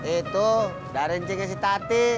itu dari ciknya si tati